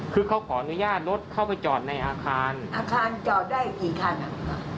คือเขาขออนุญาตรถเข้าไปจอดในอาคารอาคารจอดได้กี่คันอ่ะ